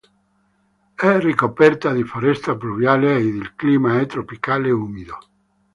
È ricoperta di foresta pluviale ed il clima è tropicale umido.